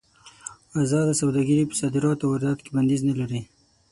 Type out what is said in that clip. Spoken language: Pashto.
ازاده سوداګري په صادراتو او وارداتو کې بندیز نه لري.